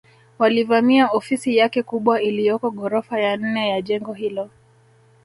Walivamia ofisi yake kubwa iliyoko ghorofa ya nne ya jengo hilo